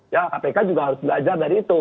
ya kpk juga harus belajar dari itu